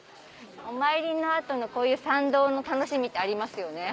お参りの後のこういう参道の楽しみってありますよね。